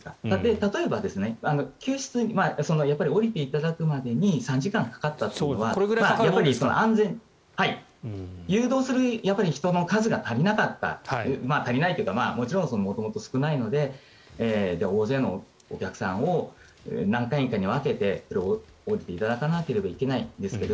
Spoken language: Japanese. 例えば、降りていただくまでに３時間かかったというのは誘導する人の数が足りなかった足りないというか元々少ないので大勢のお客さんを何回かに分けて降りていただかなければいけないんですけど